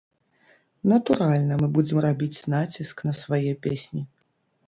Натуральна, мы будзем рабіць націск на свае песні.